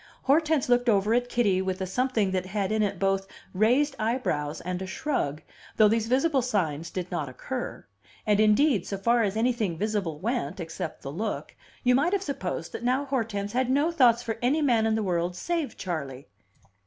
Hortense looked over at Kitty with a something that had in it both raised eyebrows and a shrug, though these visible signs did not occur; and, indeed, so far as anything visible went (except the look) you might have supposed that now Hortense had no thoughts for any man in the world save Charley.